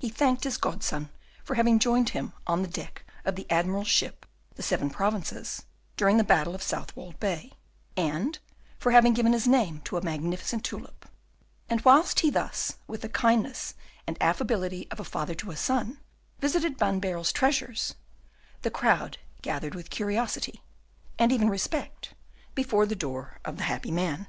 He thanked his godson for having joined him on the deck of the admiral's ship "The Seven Provinces," during the battle of Southwold Bay, and for having given his name to a magnificent tulip; and whilst he thus, with the kindness and affability of a father to a son, visited Van Baerle's treasures, the crowd gathered with curiosity, and even respect, before the door of the happy man.